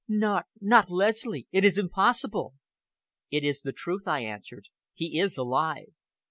"Not not Leslie! It is impossible." "It is the truth," I answered. "He is alive."